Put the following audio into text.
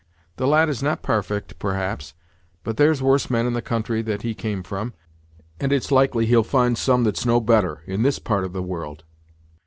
The lad is not parfect, perhaps, but there's worse men in the country that he came from, and it's likely he'll find some that's no better, in this part of the world.